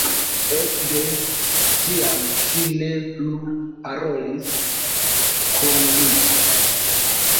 Ekde tiam ŝi ne plu parolis kun li.